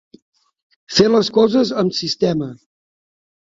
Fer les coses amb sistema.